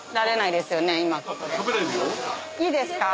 いいですか？